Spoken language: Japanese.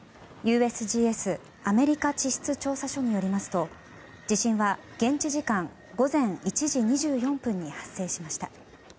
ＵＳＧＳ・アメリカ地質調査所によりますと地震は現地時間午前１時２４分に発生しました。